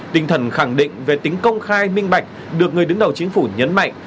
tinh thần khẳng định về tính công khai minh bạch được người đứng đầu chính phủ nhấn mạnh